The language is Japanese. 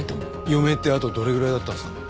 余命ってあとどれぐらいだったんですか？